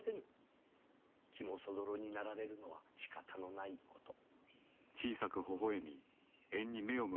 気もそぞろになられるのはしかたのないこと。